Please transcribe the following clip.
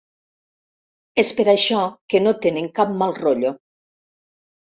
És per això que no tenen cap mal rotllo.